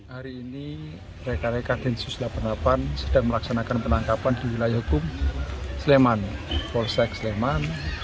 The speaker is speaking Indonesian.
hari ini rekan rekan densus delapan puluh delapan sedang melaksanakan penangkapan di wilayah hukum sleman polsek sleman